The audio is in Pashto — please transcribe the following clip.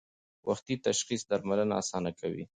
وختي تشخیص درملنه اسانه کوي.